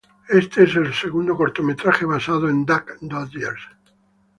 Este es el segundo cortometraje basado en Duck Dodgers.